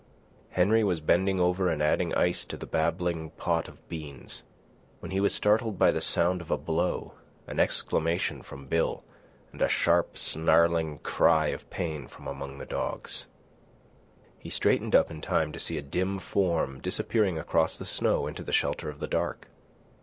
Henry was bending over and adding ice to the babbling pot of beans when he was startled by the sound of a blow, an exclamation from Bill, and a sharp snarling cry of pain from among the dogs. He straightened up in time to see a dim form disappearing across the snow into the shelter of the dark.